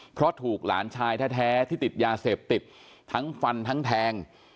เพราะถูกหลานชายแท้ที่ติดยาเสพติดทั้งฟันทั้งแทง